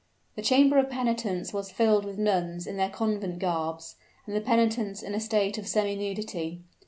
The chamber of penitence was filled with nuns in their convent garbs; and the penitents in a state of semi nudity.